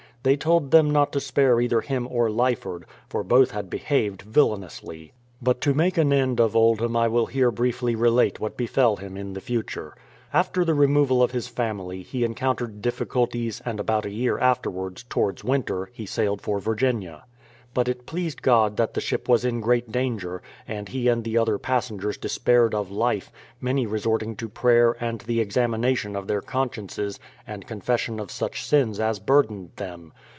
They told them not to spare either him or Lyford, for both had behaved villainously. But to make an end of Oldham I will here briefly relate what befell him in the future. After the removal of his family, he encountered difficulties and about 158 THE PLYMOUTH SETTLEMENT^ 159 a year afterwards, towards winter, he sailed for Virginia; but it pleased God that the ship was in great danger, and he and the other passengers despaired of life, many resorting to prayer and the examination of their consciences and con fession of such sins as burdened them.